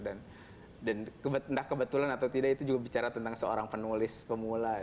dan kebetulan atau tidak itu juga bicara tentang seorang penulis pemula